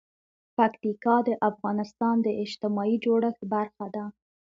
پکتیکا د افغانستان د اجتماعي جوړښت برخه ده.